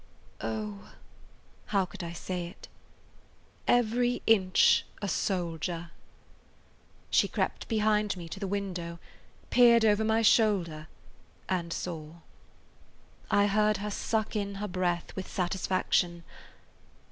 "Oh,"–how could I say it,–"every inch a soldier." She crept behind me to the window, peered over my shoulder and saw. I heard her suck in her breath with satisfaction.